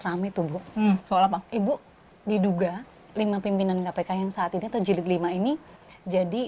rame tuh bu soal apa ibu diduga lima pimpinan kpk yang saat ini atau jilid lima ini jadi